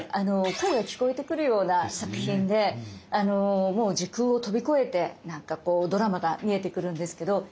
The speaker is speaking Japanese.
声が聞こえてくるような作品でもう時空を飛び越えてなんかこうドラマが見えてくるんですけど。